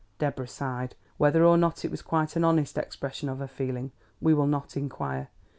Deborah sighed. Whether or not it was quite an honest expression of her feeling we will not inquire.